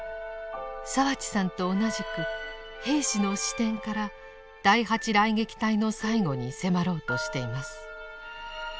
澤地さんと同じく兵士の視点から第８雷撃隊の最期に迫ろうとしています。